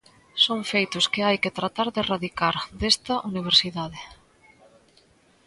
Son feitos que hai que tratar de erradicar desta universidade.